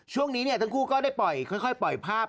ช่วงนี้เนี่ยทั้งคู่ก็ได้ปล่อยค่อยปล่อยภาพ